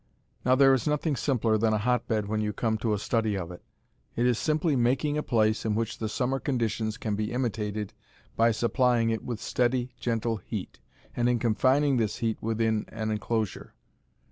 Now there is nothing simpler than a hotbed when you come to a study of it. It is simply making a place in which summer conditions can be imitated by supplying it with steady, gentle heat, and in confining this heat within an inclosure.